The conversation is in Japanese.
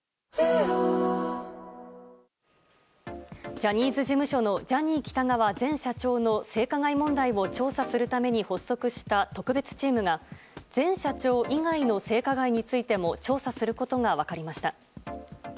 ジャニーズ事務所のジャニー喜多川前社長の性加害問題を調査するために発足した特別チームが前社長以外の性加害についても調査することが分かりました。